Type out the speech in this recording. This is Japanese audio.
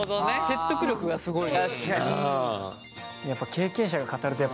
説得力がすごい。